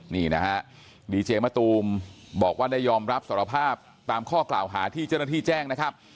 นี่นะฮะดีเจมะตูมบอกว่าได้ยอมรับสารภาพตามข้อกล่าวหาที่เจ้าหน้าที่แจ้งนะครับ